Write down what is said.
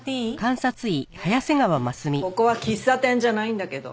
ここは喫茶店じゃないんだけど。